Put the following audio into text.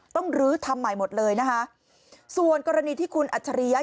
ลื้อทำใหม่หมดเลยนะคะส่วนกรณีที่คุณอัจฉริยะ